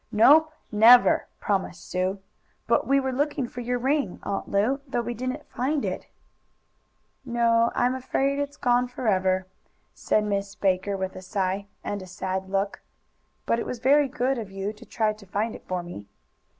"Nope never!" promised Sue, "But we were looking for your ring, Aunt Lu, though we didn't find it." "No, I'm afraid it's gone forever," said Miss Baker with a sigh, and a sad look. "But it was very good of you to try to find it for me."